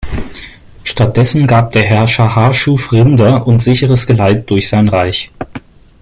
Stattdessen gab der Herrscher Harchuf Rinder und sicheres Geleit durch sein Reich.